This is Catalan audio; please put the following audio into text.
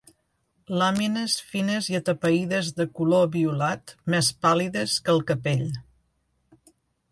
Làmines fines i atapeïdes de color violat, més pàl·lides que el capell.